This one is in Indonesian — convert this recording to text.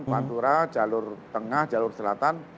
pantura jalur tengah jalur selatan